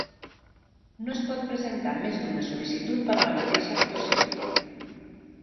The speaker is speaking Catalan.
No es pot presentar més d'una sol·licitud per a la mateixa actuació.